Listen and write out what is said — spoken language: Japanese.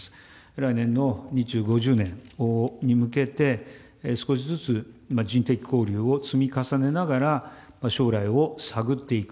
来年の日中５０年に向けて、少しずつ人的交流を積み重ねながら、将来を探っていく。